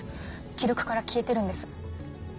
記録から消えてるんです。